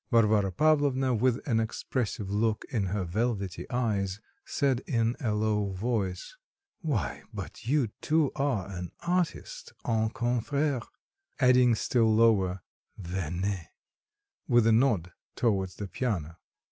Varvara Pavlovna, with an expressive look in her velvety eyes, said in a low voice, "Why, but you too are an artist, un confrère," adding still lower, "venez!" with a nod towards the piano.